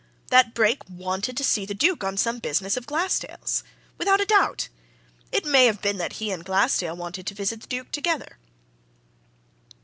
That Brake wanted to see the Duke on some business of Glassdale's! Without a doubt! It may have been that he and Glassdale wanted to visit the Duke, together."